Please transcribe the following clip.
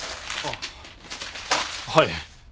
あっはい。